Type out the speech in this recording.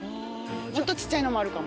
もっとちっちゃいのもあるかも。